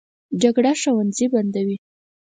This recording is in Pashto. جګړه ښوونځي بندوي